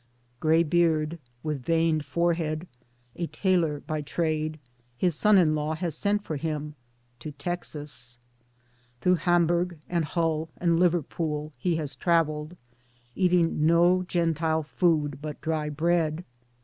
Greybeard, with veined forehead, a tailor by trade ŌĆö his son in law has sent for him to Texas ; Through Hamburg and Hull and Liverpool he has traveled, eating no Gentile food but dry bread.